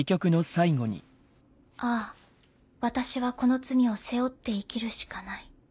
「あぁ私はこの罪を背負って生きるしかない。